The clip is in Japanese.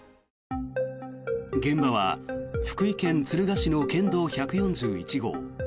現場は福井県敦賀市の県道１４１号。